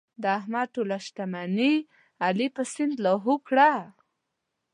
د احمد ټوله شتمني علي په سیند لاهو کړله.